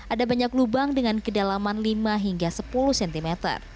ada banyak lubang dengan kedalaman lima hingga sepuluh cm